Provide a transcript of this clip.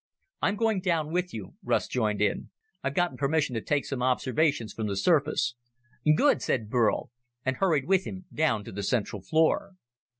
"I'm going down with you," Russ joined in. "I've gotten permission to take some observations from the surface." "Good," said Burl, and hurried with him down to the central floor.